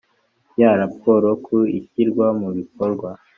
ya raporo ku ishyirwa mu bikorwa